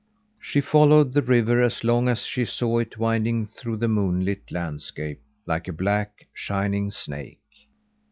She followed the river as long as she saw it winding through the moon lit landscape like a black, shining snake.